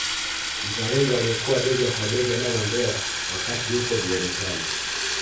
Mzalendo aliyekuwa bega kwa bega na Mandela wakati yuko gerezani